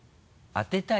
当てたい。